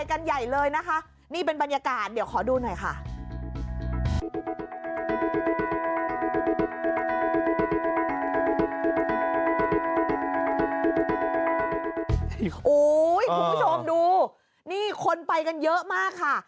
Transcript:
คุณผู้ชมดูนี่คนไปกันเยอะมากค่ะ